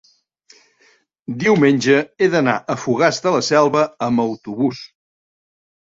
diumenge he d'anar a Fogars de la Selva amb autobús.